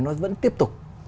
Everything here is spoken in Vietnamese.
nó vẫn tiếp tục